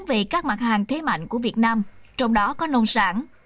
về các mặt hàng thế mạnh của việt nam trong đó có nông sản